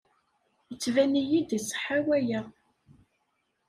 Yettban-iyi-d iṣeḥḥa waya.